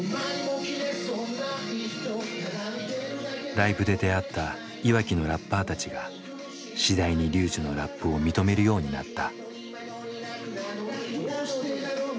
ライブで出会ったいわきのラッパーたちが次第にＲＹＵＪＩのラップを認めるようになった。